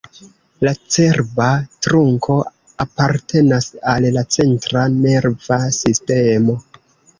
La cerba trunko apartenas al la centra nerva sistemo.